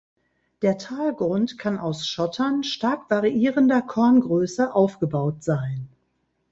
Der Talgrund kann aus Schottern stark variierender Korngröße aufgebaut sein.